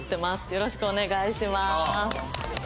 よろしくお願いします。